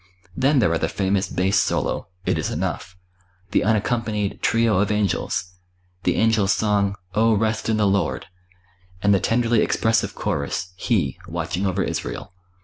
Then there are the famous bass solo, "It is enough"; the unaccompanied "Trio of Angels"; the Angel's song, "Oh, rest in the Lord"; and the tenderly expressive chorus, "He, watching over Israel."